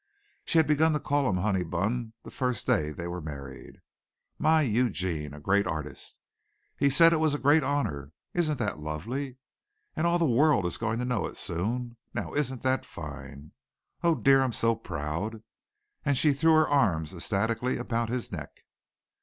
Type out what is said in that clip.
(She had begun to call him Honeybun the first day they were married.) "My Eugene a great artist. He said it was a great honor! Isn't that lovely? And all the world is going to know it soon, now. Isn't that fine! Oh dear, I'm so proud." And she threw her arms ecstatically about his neck.